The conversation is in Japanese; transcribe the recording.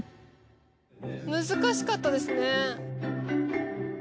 難しかったですね。